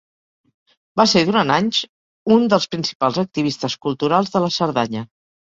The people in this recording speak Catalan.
Va ser durant anys un dels principals activistes culturals de la Cerdanya.